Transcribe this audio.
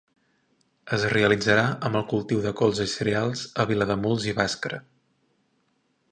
Es realitzarà amb el cultiu de colza i cereals a Vilademuls i Bàscara.